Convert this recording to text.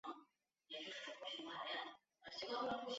他在帕德龙的故居已辟为纪念馆。